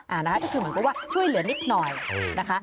นะคะก็คือเหมือนกับว่าช่วยเหลือนิดหน่อยนะคะ